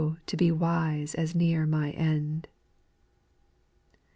to be wise as near my end I 6.